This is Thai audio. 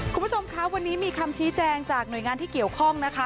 คุณผู้ชมคะวันนี้มีคำชี้แจงจากหน่วยงานที่เกี่ยวข้องนะคะ